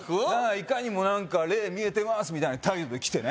いかにも何か「霊見えてます」みたいな態度で来てね